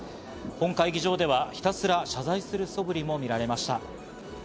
本会議場ではひたすら謝罪するそぶりも見られました。